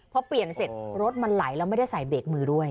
พอเปลี่ยนเสร็จรถมันไหลแล้วไม่ได้ใส่เบรกมือด้วย